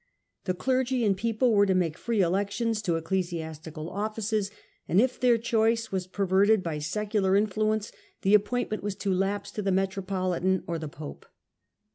The clergy and people were to jnake free elections to ecclesiastical offices, and if their choice was perverted by secular influence, the appointment was to lapse to the metropolitan or the pope.